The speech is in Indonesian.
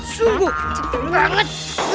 sungguh cepet banget